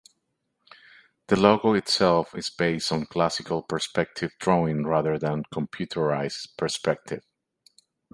The logo itself is based on classical perspective drawing rather than computerized perspective.